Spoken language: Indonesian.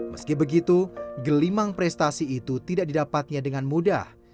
meski begitu gelimang prestasi itu tidak didapatnya dengan mudah